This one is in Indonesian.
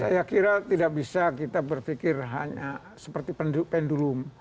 saya kira tidak bisa kita berpikir hanya seperti pendulum